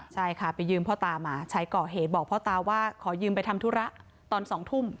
ใช่ค่ะไปยืมพ่อตามาใช้ก่อเหตุบอกพ่อตาว่าขอยืมไปทำธุระตอน๒ทุ่ม